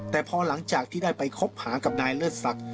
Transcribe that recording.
แต่พอหลังจากที่ได้ไปคบหากับนายเลิศศักดิ์